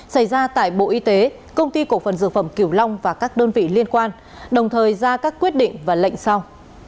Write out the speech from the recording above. xảy ra tại bộ y tế công ty cổ phần dược phẩm kiểu long và các đơn vị liên quan đồng thời ra các quyết định và lệnh sau